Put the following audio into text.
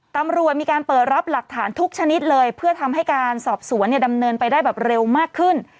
ตำรวจมีการเปิดรับหลักฐานทุกชนิดเลยเพื่อทำให้การสอบสวนเนี่ยดำเนินไปได้แบบเร็วมากขึ้น